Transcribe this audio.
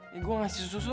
ndi gue ngasih susu